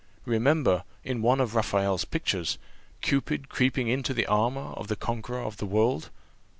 Remember, in one of Raphael's pictures, Cupid creeping into the armour of the conqueror of the world."